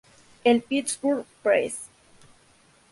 El Pittsburgh Press.